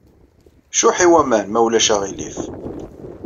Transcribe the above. Cuḥḥ i waman, ma ulac aɣilif.